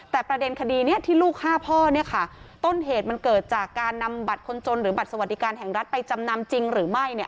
แต่ประเด็นคดีนี้ที่ลูกฆ่าพ่อเนี่ยค่ะต้นเหตุมันเกิดจากการนำบัตรคนจนหรือบัตรสวัสดิการแห่งรัฐไปจำนำจริงหรือไม่เนี่ย